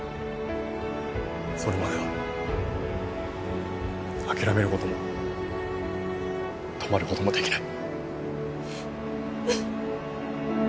それまでは諦める事も止まる事もできない。